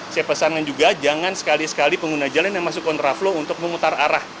saya pesankan juga jangan sekali sekali pengguna jalan yang masuk kontraflow untuk memutar arah